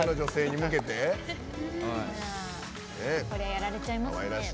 やられちゃいますね。